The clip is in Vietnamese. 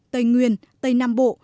tây nguyên tây nam bộ